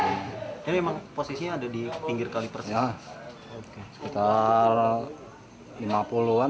ini memang posisinya ada di pinggir kali persen